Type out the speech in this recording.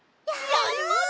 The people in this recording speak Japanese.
やります！